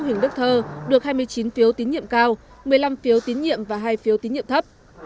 huỳnh đức thơ được hai mươi chín phiếu tín nhiệm cao một mươi năm phiếu tín nhiệm và hai phiếu tín nhiệm thấp